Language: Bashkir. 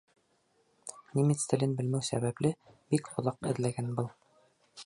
Немец телен белмәү сәбәпле, бик оҙаҡ эҙләгән был.